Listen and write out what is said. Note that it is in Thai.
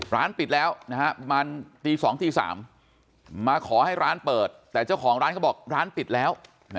ร้านปิดแล้วประมาณตี๒ตี๓มาขอให้ร้านเปิดแต่เจ้าของร้านเขาบอกร้านปิดแล้ว